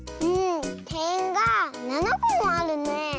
てんが７こもあるねえ。